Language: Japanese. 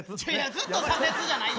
ずっと左折じゃないよ！